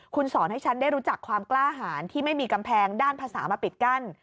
คุณสอนให้ฉันได้รู้จักความกล้าหารที่ไม่มีกำแพงด้านภาษามาปิดกั้น